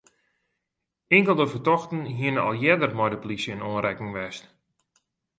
Inkelde fertochten hiene al earder mei de plysje yn oanrekking west.